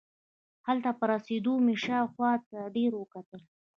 هلته په رسېدو مې شاوخوا ډېر وکتل.